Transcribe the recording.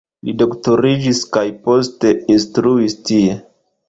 Li doktoriĝis kaj poste instruis tie.